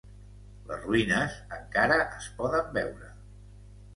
Les ruïnes encara es poden veure.